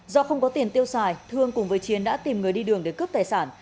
do không có tiền tiêu xài thương cùng với chiến đã tìm người đi đường để cướp tài sản